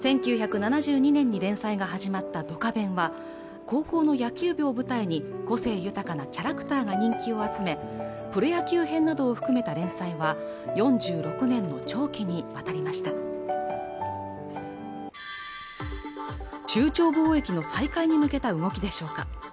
１９７２年に連載が始まった「ドカベン」は高校の野球部を舞台に個性豊かなキャラクターが人気を集めプロ野球編などを含めた連載は４６年の長期に渡りました中朝貿易の再開に向けた動きでしょうか